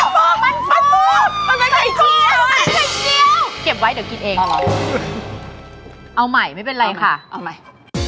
มันทั่วมันทั่วมันเป็นไข่เกี้ยวเก็บไว้เดี๋ยวกินเองเอาใหม่ไม่เป็นไรค่ะเอาใหม่